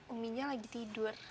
uminya lagi tidur